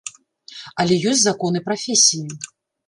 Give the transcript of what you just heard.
Але ёсць законы прафесіі.